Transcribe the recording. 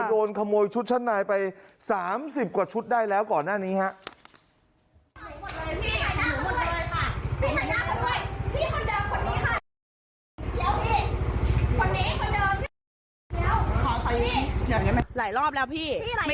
โดนขโมยชุดชั้นในไป๓๐กว่าชุดได้แล้วก่อนหน้านี้ครับ